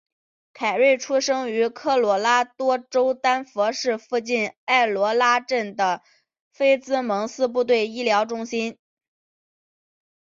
凯瑞出生于科罗拉多州丹佛市附近爱罗拉镇的菲兹蒙斯部队医疗中心。